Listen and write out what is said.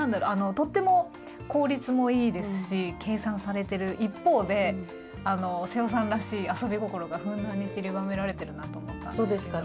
とっても効率もいいですし計算されてる一方で瀬尾さんらしい遊び心がふんだんにちりばめられてるなと思ったんですけども。